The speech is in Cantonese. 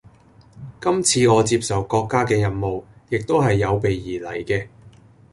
今次我接受國家嘅任務，亦都係有備而嚟嘅